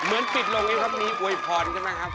เหมือนปิดลงไอ้ครับนี้อวยพรกันไหมครับ